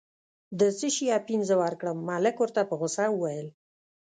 د څه شي اپین زه ورکړم، ملک ورته په غوسه وویل.